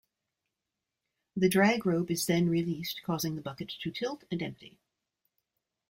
The dragrope is then released causing the bucket to tilt and empty.